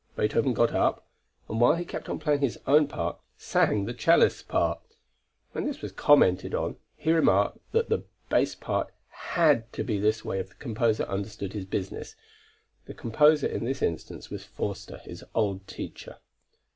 Beethoven got up, and while he kept on playing his own part, sang the cellist's part. When this was commented on, he remarked that the bass part had to be this way if the composer understood his business. The composer in this instance was Förster, his old teacher.